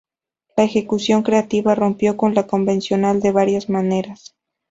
La ejecución creativa rompió con lo convencional de varias maneras.